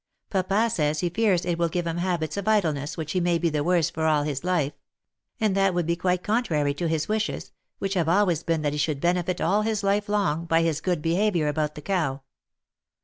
Papa says, he fears it will give him habits of idleness which he may be the worse for all his life — and that would be quite contrary to his wishes, which have always been that he should benefit all his life long, by his good beha viour about the cow."